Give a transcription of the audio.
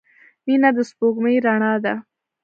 • مینه د سپوږمۍ رڼا ده.